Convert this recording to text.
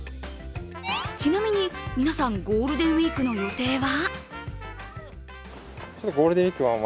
ちなみに皆さん、ゴールデンウイークの予定は？